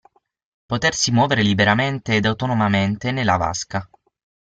Potersi muovere liberamente ed autonomamente nella vasca.